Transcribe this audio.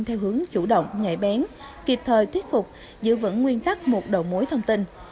theo hướng chủ động nhạy bén kịp thời thuyết phục giữ vững nguyên tắc một đầu mối thông tin